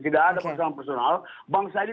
tidak ada persoalan personal bank saudi